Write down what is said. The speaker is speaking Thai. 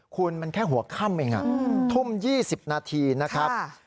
คุณมันแค่หัวค่ำเองอ่ะฮืมทุ่มยี่สิบนาทีนะครับค่ะ